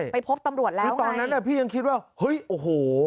ไปพบตำรวจแล้วคือตอนนั้นอ่ะพี่ยังคิดว่าเฮ้ยโอ้โห